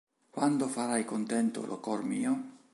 Quando farai contento lo cor mio?